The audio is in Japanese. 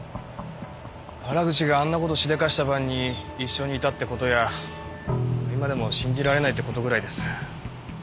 原口があんな事しでかした晩に一緒にいたって事や今でも信じられないって事ぐらいです。